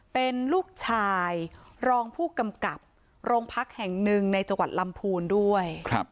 เป็นลูกชายรองผู้กำกับโรงพักแห่งหนึ่งในจังหวัดลำพูนด้วย